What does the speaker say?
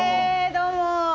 どうも。